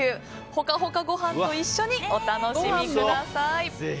ホカホカご飯と一緒にお楽しみください。